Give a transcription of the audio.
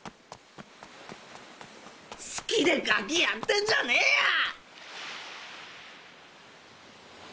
好きでガキやってんじゃねえや！